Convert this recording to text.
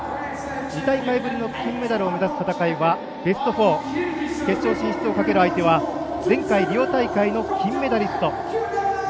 ２大会ぶりの金メダルを目指す戦いはベスト４決勝進出をかける相手は前回リオ大会の金メダリスト。